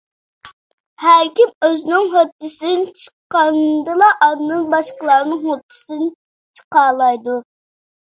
ھەركىم ئۆزىنىڭ ھۆددىسىدىن چىققاندىلا ئاندىن باشقىلارنىڭ ھۆددىسىدىن چىقالايدۇ.